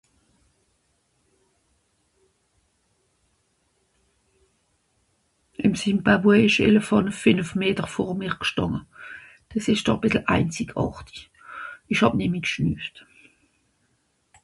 ìm Zimbabwe esch'a éléphànt fenef meter vor mer g'stànge des esch doch bìssl einzigàrtig esch hàb nemmi g'schnüft